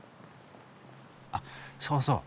あっそうそう。